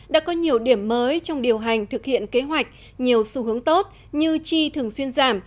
đã có nhiều điểm mới trong điều hành thực hiện kế hoạch nhiều xu hướng tốt như chi thường xuyên giảm